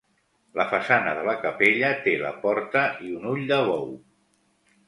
La façana de la capella té la porta i un ull de bou.